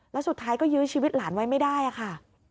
แล้วสุดท้ายก็ยื้อชีวิตหลานไว้ไม่ได้ค่ะ